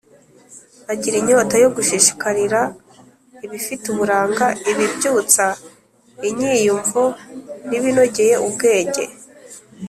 agira inyota yo gushishikarira ibifite uburanga, ibibyutsa inyiyumvo n’ibinogeye ubwenge;